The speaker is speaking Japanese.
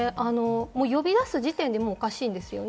呼び出す時点で、もうおかしいですよね。